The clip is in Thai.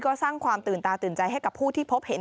ก็สร้างความตื่นตาตื่นใจให้กับผู้ที่พบเห็น